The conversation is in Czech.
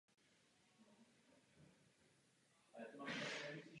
Dárcovským zemím nabídne jedinečnou příležitost znovu uznat svůj závazek.